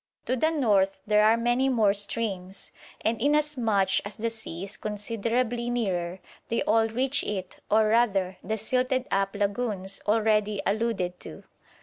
To the north there are many more streams, and inasmuch as the sea is considerably nearer, they all reach it, or, rather, the silted up lagoons already alluded to.